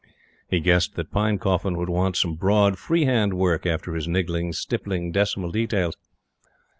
He guessed that Pinecoffin would want some broad, free hand work after his niggling, stippling, decimal details.